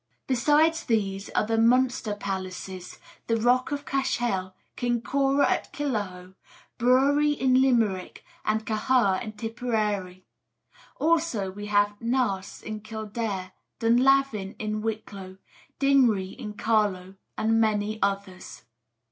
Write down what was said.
Besides these there are the Munster palaces, the Rock of Cashel, Kincora at Killaloe, Bruree in Limerick, and Caher in Tipperary: also we have Naas in Kildare, Dunlavin in Wicklow, Dinnree in Carlow, and many others.